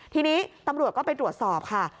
ทีนี้ตำรวจก็ไปตรวจสอบค่ะ